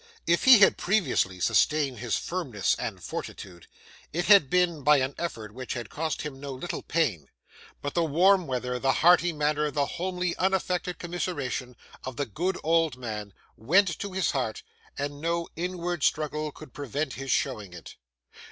If he had previously sustained his firmness and fortitude, it had been by an effort which had cost him no little pain; but the warm welcome, the hearty manner, the homely unaffected commiseration, of the good old man, went to his heart, and no inward struggle could prevent his showing it.